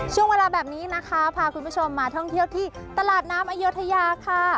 ช่วงเวลาแบบนี้นะคะพาคุณผู้ชมมาท่องเที่ยวที่ตลาดน้ำอยุธยาค่ะ